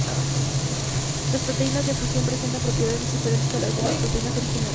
Las proteínas de fusión presentan propiedades diferentes a las de las proteínas originales.